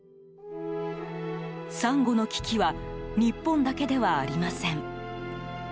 サンゴの危機は日本だけではありません。